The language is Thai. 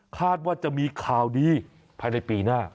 คาดว่าจะมีข่าวดีภายในปีหน้า